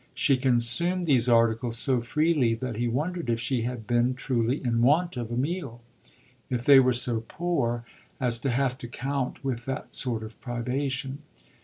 She consumed these articles so freely that he wondered if she had been truly in want of a meal if they were so poor as to have to count with that sort of privation.